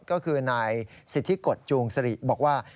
ก็คือนายสิทธิกฎจูงสริบอกว่า